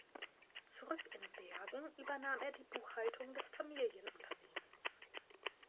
Zurück in Bergen übernahm er die Buchhaltung des Familienunternehmens.